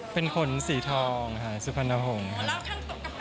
เป็นขนสีทองค่ะสุพันธหงษ์ค่ะ